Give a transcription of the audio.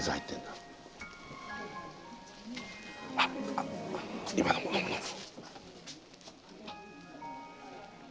あっ今飲む飲む。